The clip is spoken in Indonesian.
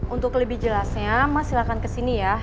untuk lebih jelasnya mas silahkan ke sini ya